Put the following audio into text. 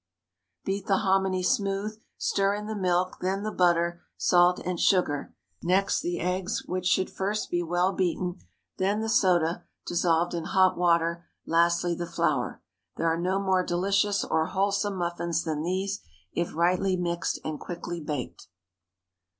Beat the hominy smooth; stir in the milk, then the butter, salt, and sugar; next the eggs, which should first be well beaten; then the soda, dissolved in hot water; lastly the flour. There are no more delicious or wholesome muffins than these, if rightly mixed and quickly baked.